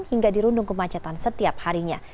hingga dirundung kemacetan setiap harinya